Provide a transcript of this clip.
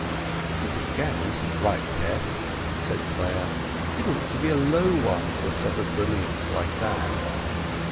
"But the gown isn't right, Tess," said Clare. "It ought to be a low one for a set of brilliants like that."